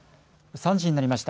３時になりました。